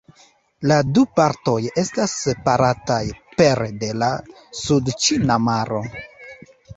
La du partoj estas separataj pere de la Sudĉina Maro.